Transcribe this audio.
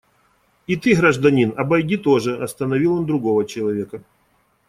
И ты, гражданин, обойди тоже, – остановил он другого человека.